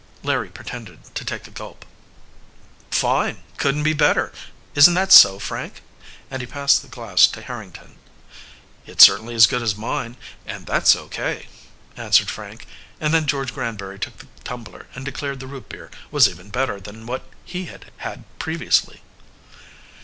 Larry pretended to take a gulp. "Fine! Couldn't be better. Isn't that so, Frank?" and he passed the glass to Harrington. "It's certainly as good as mine, and that's O. K.," answered Frank; and then George Granbury took the tumbler and declared the root beer was even better than what he had had previously.